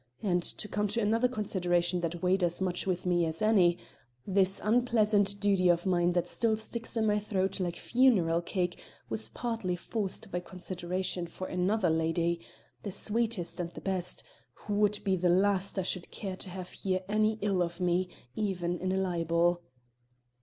And to come to another consideration that weighed as much with me as any this unpleasant duty of mine that still sticks in my throat like funeral cake was partly forced by consideration for another lady the sweetest and the best who would be the last I should care to have hear any ill of me, even in a libel."